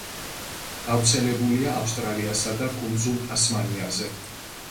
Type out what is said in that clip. გავრცელებულია ავსტრალიასა და კუნძულ ტასმანიაზე.